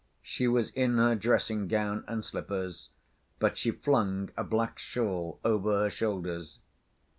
She was in her dressing‐gown and slippers, but she flung a black shawl over her shoulders.